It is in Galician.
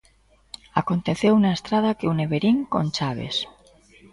Aconteceu na estrada que une Verín con Chaves.